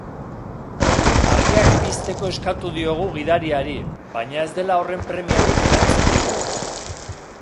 Argiak pizteko eskatu diogu gidariari, baina ez dela horren premiarik erantzun digu.